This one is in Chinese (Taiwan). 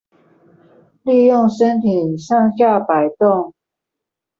利用身體上下矲動